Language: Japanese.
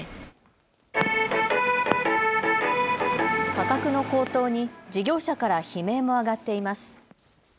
価格の高騰に事業者から悲鳴も上がっています。